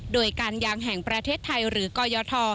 โดยการยางแห่งประเทศไทยหรือกยท